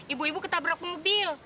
ibu ibu ketabrak mobil